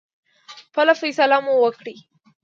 خپله فیصله مو وکړی.